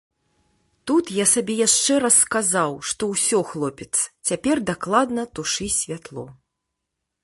Тут я сабе яшчэ раз сказаў, што ўсё, хлопец, цяпер дакладна тушы святло.